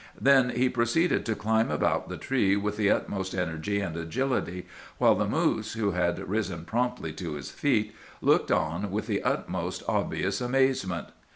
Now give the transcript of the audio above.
Then he proceeded to climb about the tree with the utmost energy and agility, while the moose, who had risen promptly to his feet, looked on with the most obvious amazement.